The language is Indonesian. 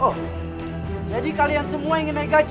oh jadi kalian semua ingin naik haji